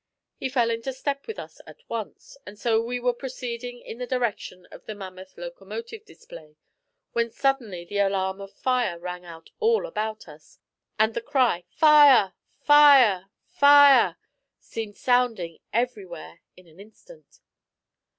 He fell into step with us at once, and so we were proceeding in the direction of the mammoth locomotive display, when suddenly the alarm of fire rang out all about us, and the cry, 'Fire! fire! fire!' seemed sounding everywhere in an instant.